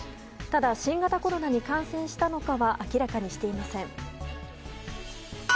ただ新型コロナに感染したのかは明らかにしていません。